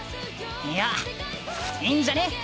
いやいいんじゃね？